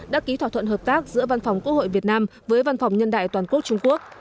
đã ký thỏa thuận hợp tác giữa văn phòng quốc hội việt nam với văn phòng nhân đại toàn quốc trung quốc